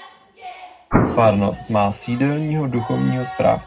Farnost má sídelního duchovního správce.